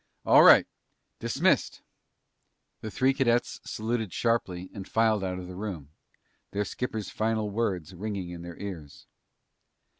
All right, dismissed!" The three cadets saluted sharply and filed out of the room, their skipper's final words ringing in their ears.